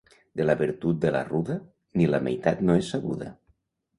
De la virtut de la ruda, ni la meitat no és sabuda.